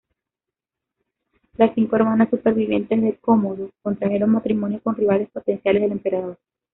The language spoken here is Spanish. Las cinco hermanas supervivientes de Cómodo contrajeron matrimonio con rivales potenciales del emperador.